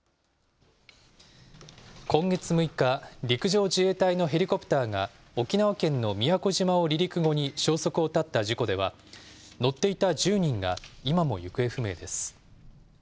今月６日、陸上自衛隊のヘリコプターが沖縄県の宮古島を離陸後に消息を絶った事故では、乗っていた１０人が、今も行方不明です。